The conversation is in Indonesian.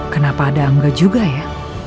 kenapa ada enggak juga ya